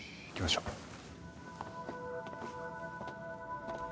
行きましょう。